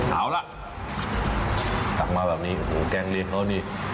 เอาล่ะตักมาแบบนี้แกงเลี้ยงของเราดี